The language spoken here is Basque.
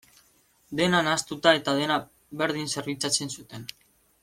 Dena nahastuta eta dena berdin zerbitzatzen zuten.